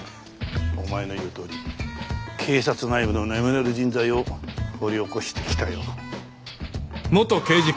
お前の言うとおり警察内部の眠れる人材を掘り起こしてきたよ。